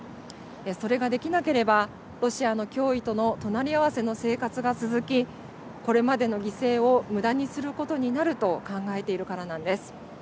それができなければロシアの脅威との隣り合わせの生活が続きこれまでの犠牲をむだにすることになると考えているからなんです。